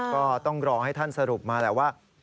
ก็ต้องรอให้ท่านสรุปมาแหละว่า